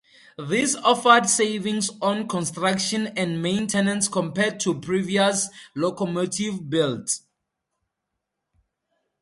This offered savings on construction and maintenance compared to previous locomotive builds.